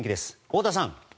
太田さん。